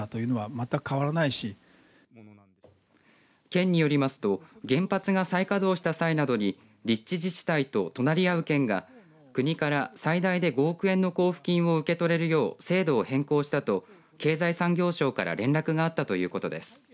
県によりますと原発が再稼働した際などに立地自治体と隣り合う県が国から最大で５億円の交付金を受け取れるように制度を変更したと経済産業省から連絡があったということです。